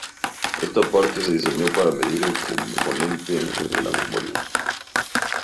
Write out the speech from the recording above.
Esta parte se diseñó para medir el componente de la memoria.